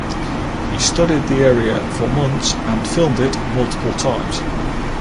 He studied the area for months and filmed it multiple times.